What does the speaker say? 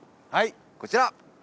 はいこちら！